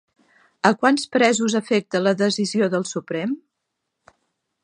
A quants presos afecta la decisió del Suprem?